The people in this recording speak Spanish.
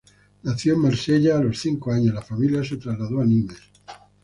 Nació en Marsella, a los cinco años la familia se trasladó a Nimes.